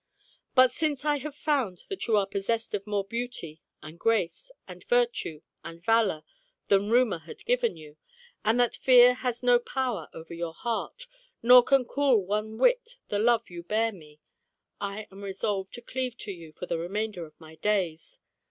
But since I have found that you are possessed of more beauty, and grace, and virtue, and valour than rumour had given you, and that fear has no power over your heart, nor can cool one whit the love you bear me, I am resolved to cleave to you for the remainder of my days.